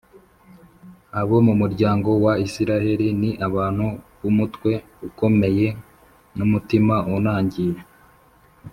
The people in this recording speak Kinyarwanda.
abo mu muryango wa Israheli ni abantu b’umutwe ukomeye n’umutima unangiye